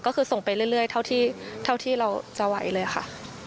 ก็คือส่งไปเรื่อยเท่าที่เราจะไหวเลยค่ะ